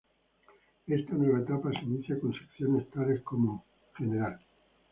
Esta nueva etapa se inicia con secciones tales como "Gra.